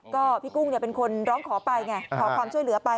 ก็พี่กุ้งเป็นคนร้องขอไปไงขอความช่วยเหลือไป